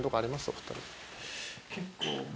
お二人。